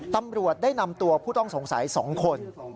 ตำรวจได้นำตัวผู้ต้องสงสัย๒คน